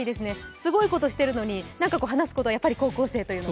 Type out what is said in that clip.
すごいことしてるのに、なんか話すことは高校生というか。